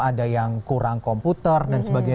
ada yang kurang komputer dan sebagainya